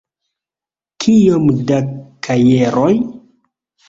Kiom da kajeroj?